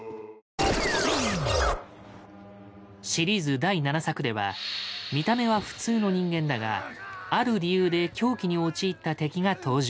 シリーズ第７作では見た目は普通の人間だがある理由で狂気に陥った敵が登場。